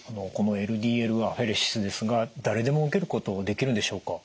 このＬＤＬアフェレシスですが誰でも受けることできるんでしょうか？